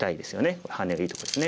これハネがいいとこですね。